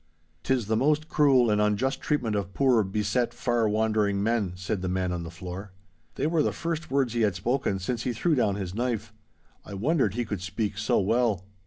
''Tis the most cruel and unjust treatment of poor, beset, far wandering men!' said the man on the floor. They were the first words he had spoken since he threw down his knife. I wondered he could speak so well.